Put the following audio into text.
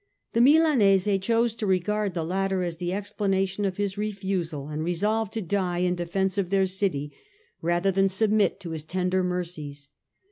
The Milanese chose to regard the latter as the explanation of his refusal and resolved to die in the defence of their city rather than 158 STUPOR MUNDI submit to his tender mercies.